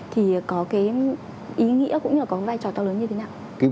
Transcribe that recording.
thì có cái ý nghĩa cũng như là có vai trò to lớn như thế nào